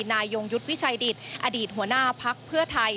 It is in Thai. นายยงยุทธ์วิชัยดิตอดีตหัวหน้าพักเพื่อไทย